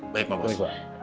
baik pak bos